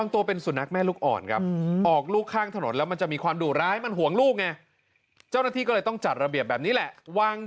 ทำไมเครียดล่ะ